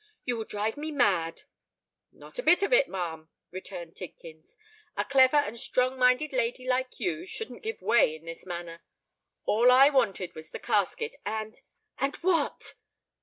—you will drive me mad!" "Not a bit of it, ma'am," returned Tidkins. "A clever and strong minded lady like you shouldn't give way in this manner. All I wanted was the casket; and——" "And what?"